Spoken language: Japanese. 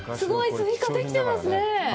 スイカできてますね。